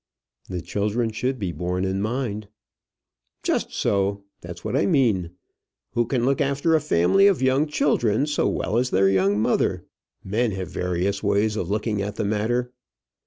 "The children should be borne in mind." "Just so. That's what I mean. Who can look after a family of young children so well as their young mother? Men have various ways of looking at the matter."